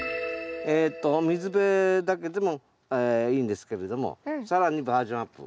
水辺だけでもいいんですけれども更にバージョンアップ。